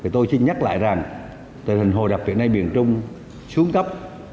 tôi xin nhắc lại rằng tình hình hồ đập hiện nay miền trung xuống cấp